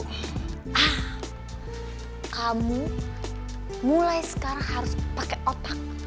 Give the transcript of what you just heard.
eh kamu mulai sekarang harus pakai otak